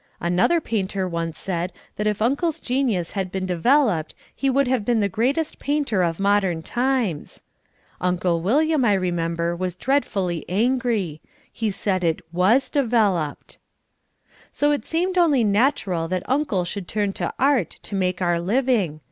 Another painter once said that if Uncle's genius had been developed he would have been the greatest painter of modern times. Uncle William, I remember, was dreadfully angry. He said it WAS developed. So it seemed only natural that Uncle should turn to Art to make our living.